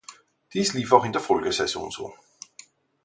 Dies lief auch in der Folgesaison so.